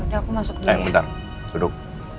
eh bentar duduk